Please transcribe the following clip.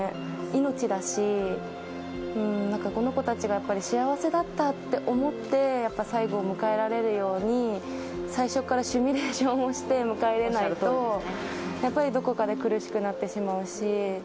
命だし、なんかこの子たちが幸せだったって思って、最後迎えられるように、最初からシミュレーションをして迎え入れないと、やっぱりどこかで苦しくなってしまうし。